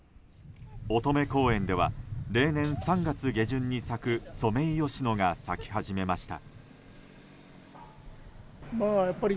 乙女公園では例年３月下旬に咲くソメイヨシノが咲き始めました。